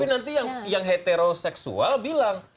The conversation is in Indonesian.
tapi nanti yang heteroseksual bilang